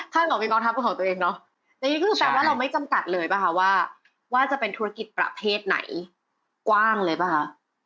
หมอเป็นกองทัพเป็นของตัวเองเนาะในนี้คือแปลว่าเราไม่จำกัดเลยป่ะคะว่าจะเป็นธุรกิจประเภทไหนกว้างเลยป่ะคะ